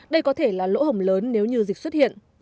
đây có thể là lỗ hồng lớn nếu như dịch xuất hiện